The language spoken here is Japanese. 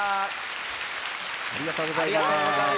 ありがとうございます。